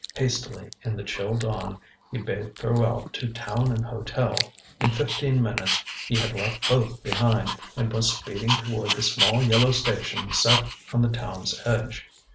Hastily in the chill dawn he bade farewell to town and hotel. In fifteen minutes he had left both behind, and was speeding toward the small yellow station set on the town's edge.